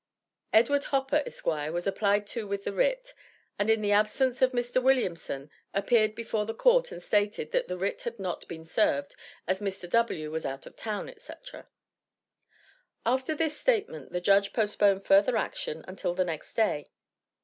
Edward Hopper, Esq., was applied to with the writ, and in the absence of Mr. Williamson, appeared before the court, and stated "that the writ had not been served, as Mr. W. was out of town," etc. After this statement, the Judge postponed further action until the next day.